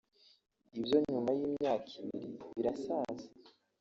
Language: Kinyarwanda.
Ibyo nyuma y’imyaka ibiri birasaza